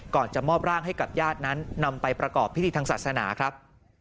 ก่อนจะมอบร่างให้กับญาตินั้นนำไปประกอบพิธีทางศาสนาครับ